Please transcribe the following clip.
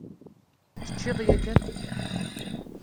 Teččiḍ yakan?